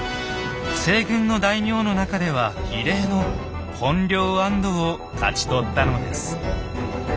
西軍の大名の中では異例の本領安堵を勝ち取ったのです。